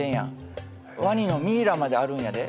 ワニのミイラまであるんやで。